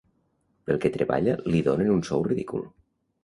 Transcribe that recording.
Pel que treballa li donen un sou ridícul.